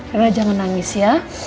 reina jangan nangis ya